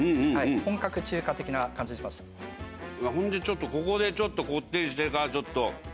ほんでここでちょっとこってりしてるからちょっと。